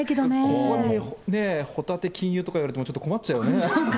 ここにホタテ禁輸とか言われてもちょっと困っちゃうよね。